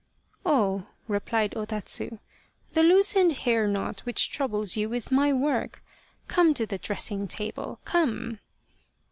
" Oh," replied O Tatsu, " the loosened hair knot which troubles you is my work come to the dressing table ... come